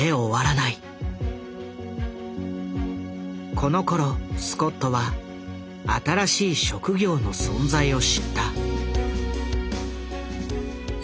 このころスコットは新しい職業の存在を知った。